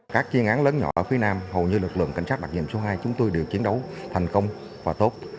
các chuyên án lớn nhỏ ở phía nam hầu như lực lượng cảnh sát đặc nhiệm số hai chúng tôi đều chiến đấu thành công và tốt